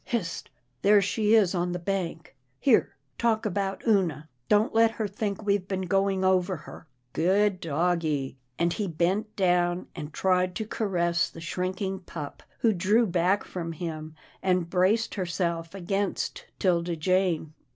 Hist — there she is on the bank. Here, talk about Oonah — don't let her think we've been going over her — Good doggie," and he bent down, and tried to caress the shrinking pup, who drew back from him, and braced herself against 'Tilda Jane.